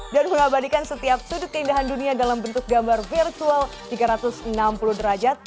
dan mengabadikan setiap sudut keindahan dunia dalam bentuk gambar virtual tiga ratus enam puluh derajat